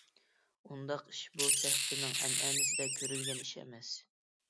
ئۇنداق ئىش بۇ سەھىپىنىڭ ئەنئەنىسىدە كۆرۈلگەن ئىش ئەمەس.